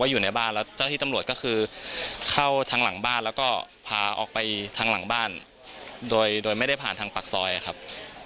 อยู่ในบ้านแล้วเจ้าที่ตำรวจก็คือเข้าทางหลังบ้านแล้วก็พาออกไปทางหลังบ้านโดยไม่ได้ผ่านทางปากซอยครับ